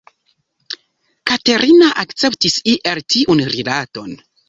Katerina akceptis iel tiun rilaton.